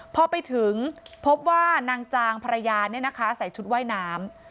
พอไปถึงพบว่านางจางภรรยาใส่ชุดว่ายน้ำ